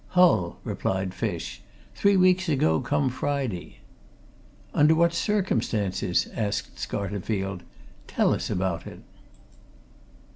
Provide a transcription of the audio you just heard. "Hull!" replied Fish. "Three weeks ago come Friday." "Under what circumstances?" asked Scarterfield. "Tell us about it."